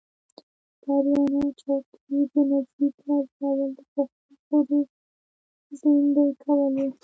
په اریانا چوک کې د نجیب راځړول د پښتون غرور زیندۍ کول و.